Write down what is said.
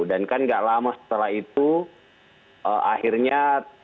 dan kan gak lama setelah itu akhirnya